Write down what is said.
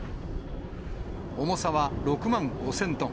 重さは６万５０００トン。